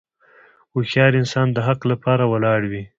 هوښیار انسان د حق لپاره ولاړ وي.